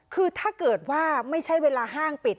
คือถ้าเกิดว่าไม่ใช่เวลาห้างปิด